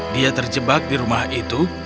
dia terjebak di rumah itu